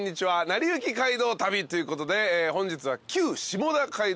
『なりゆき街道旅』ということで本日は。